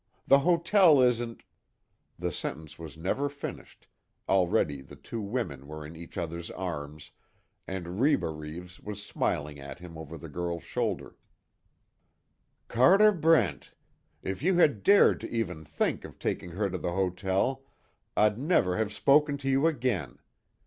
The hotel isn't " The sentence was never finished, already the two women were in each other's arms, and Reba Reeves was smiling at him over the girl's shoulder: "Carter Brent! If you had dared to even think of taking her to the hotel, I'd never have spoken to you again!